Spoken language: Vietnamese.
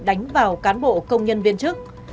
đánh vào cán bộ công nhân viên chức